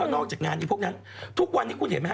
นอกจากงานนี้พวกนั้นทุกวันนี้คุณเห็นไหมฮ